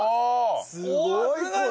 すごい粉！